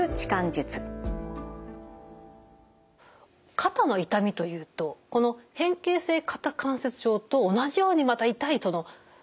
肩の痛みというとこの変形性肩関節症と同じようにまた痛いとの凍結肩。